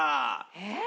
えっ？